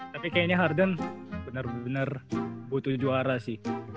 tapi kayaknya harden bener bener butuh juara sih